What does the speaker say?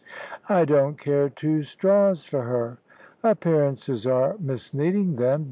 "I don't care two straws for her." "Appearances are misleading, then.